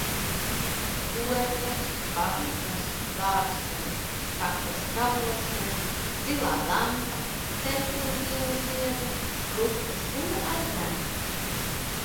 Potes, bankas, plāksteri, kakla skalošana, zilā lampa, terpentīna ziede, rutku sula ar medu.